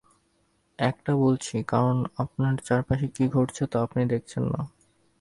এটা বলছি, কারণ আপনার চারপাশে কী ঘটছে তা আপনি দেখছেন না।